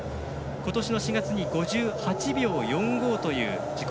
ことしの４月に５８秒４５という自己